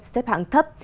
xếp hạng thấp